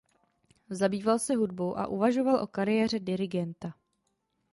Zabýval se hudbou a uvažoval o kariéře dirigenta.